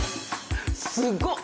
すごっ！